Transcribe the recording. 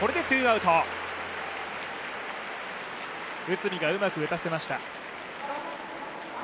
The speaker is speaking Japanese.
内海がうまく打たせました。